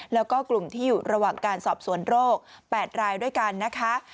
แล้วก็กลุ่มที่อยู่ระหว่างการสอบสวนโรค๘รายด้วยกันนะคะ